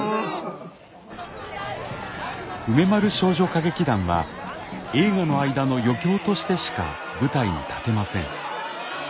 梅丸少女歌劇団は映画の間の余興としてしか舞台に立てません。